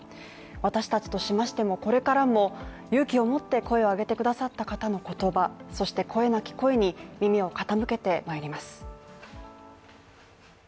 私たちとしましても、これからも勇気を持って声を上げてくださった方の言葉そして声なき声に耳を傾けてまいります。